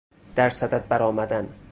در صدد بر آمدن